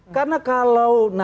karena kalau narasanya